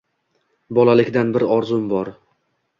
Bolalikdan bir orzum bor